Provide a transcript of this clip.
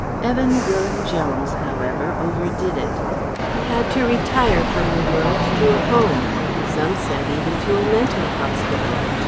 Evan Gwyllim Jones, however, overdid it. He had to retire from the world to a Home some said even to a Mental Hospital.